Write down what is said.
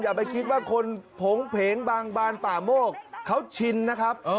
อย่าไปคิดว่าคนผงเพงบางบานป่าโมกเขาชินนะครับ